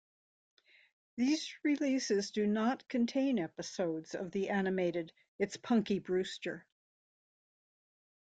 These releases do not contain episodes of the animated "It's Punky Brewster".